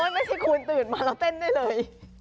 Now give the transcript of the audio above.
โอ้ยไม่สิคุณตื่นมาแล้วเต้นได้เลย